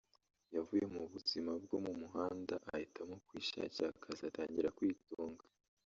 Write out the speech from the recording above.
yavuye mu buzima bwo mu muhanda ahitamo kwishakira akazi atangira kwitunga